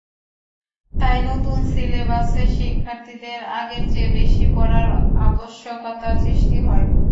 তাই নতুন সিলেবাসে শিক্ষার্থীদের আগের চেয়ে বেশি পড়ার আবশ্যকতা সৃষ্টি হয়।